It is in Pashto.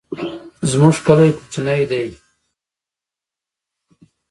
زمونږ کلی کوچنی دی